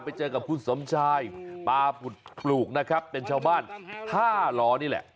ไปเจอกับคุณสมชายปาบุตรปลูกนะครับเป็นชาวบ้านท่าล้อนี่แหละ